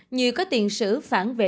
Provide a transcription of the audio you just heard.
như có tiền sử phản vệ